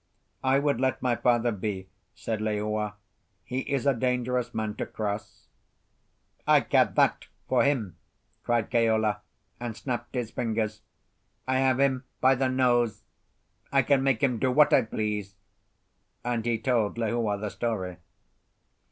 "I would let my father be," said Lehua. "He is a dangerous man to cross." "I care that for him!" cried Keola; and snapped his fingers. "I have him by the nose. I can make him do what I please." And he told Lehua the story.